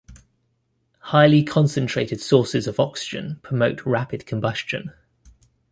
Highly concentrated sources of oxygen promote rapid combustion.